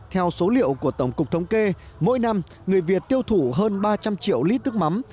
theo số liệu của tổng cục thống kê mỗi năm người việt tiêu thụ hơn ba trăm linh triệu lít nước mắm